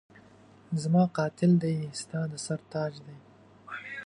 زما قاتل دی ستا د سر تاج دی